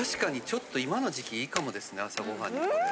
ちょっと今の時期良いかもですね朝ごはんにこれ。